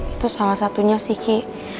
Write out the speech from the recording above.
itu salah satunya sih ki